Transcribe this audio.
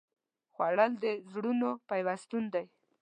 خوړل د زړونو پیوستون دی